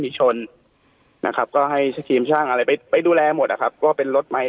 มีชนก็ให้ชีวิตครรภ์อะไรไปดูแลหมดครับก็เป็นรถใหม่